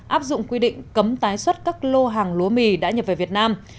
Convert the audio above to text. áp dụng quy định cấm tái xuất các lô hàng lúa mì đã nhập về việt nam